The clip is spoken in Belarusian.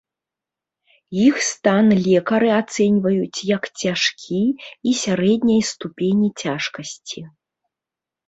Іх стан лекары ацэньваюць як цяжкі і сярэдняй ступені цяжкасці.